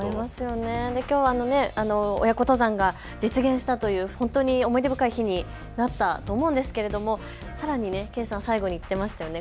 きょうは親子登山が実現したという思い出深い日になったと思うんですがさらに慧さん、最後に言っていましたね。